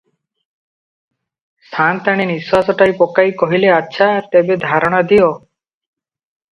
ସା’ନ୍ତାଣୀ ନିଶ୍ଵାସଟାଏ ପକାଇ କହିଲେ – ଆଚ୍ଛା, ତେବେ ଧାରଣା ଦିଅ ।